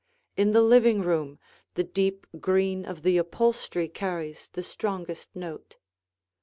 In the living room the deep green of the upholstery carries the strongest note.